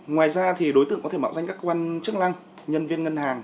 ngoài ra thì đối tượng có thể mạo danh các cơ quan chức lăng nhân viên ngân hàng